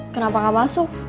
kenapa gak masuk